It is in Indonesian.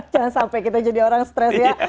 jangan sampai kita jadi orang stres ya